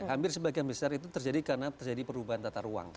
hampir sebagian besar itu terjadi karena terjadi perubahan tata ruang